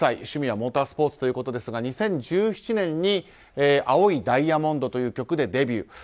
趣味はモータースポーツということですが２０１７年に「青いダイヤモンド」という曲でデビュー。